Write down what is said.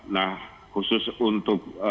nah khusus untuk